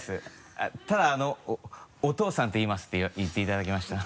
ただ「お父さんって言います」って言っていただきました。